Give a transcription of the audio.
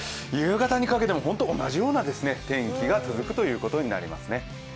夕方にかけても同じような天気が続くことになります。